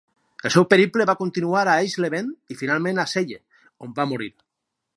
El seu periple va continuar a Eisleben i finalment a Celle, on va morir.